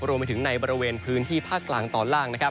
รวมไปถึงในบริเวณพื้นที่ภาคกลางตอนล่างนะครับ